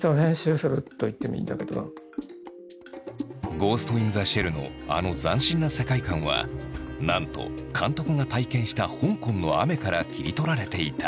「ＧＨＯＳＴＩＮＴＨＥＳＨＥＬＬ」のあの斬新な世界観はなんと監督が体験した香港の雨から切り取られていた。